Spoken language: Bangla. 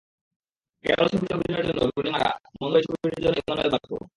ক্যারল ছবিতে অভিনয়ের জন্য রুনি মারা, মনরোই ছবির জন্য ইমানুয়েল বারকো।